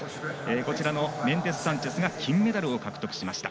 メンデスサンチェスが金メダルを獲得しました。